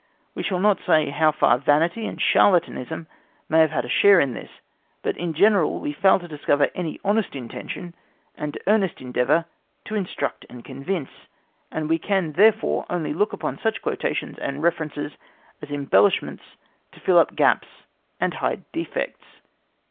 We shall not say how far vanity and charlatanism may have had a share in this, but in general we fail to discover any honest intention and earnest endeavour to instruct and convince, and we can therefore only look upon such quotations and references as embellishments to fill up gaps and hide defects.